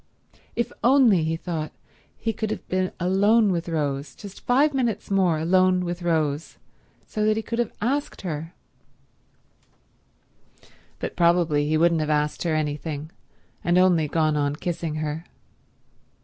If only, he thought, he could have been alone with Rose; just five minutes more alone with Rose, so that he could have asked her— But probably he wouldn't have asked her anything, and only gone on kissing her.